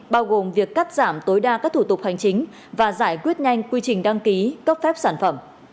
bao gồm việc cắt giảm tối đa các thủ tục hành chính và giải quyết nhanh quy trình đăng ký cấp phép sản phẩm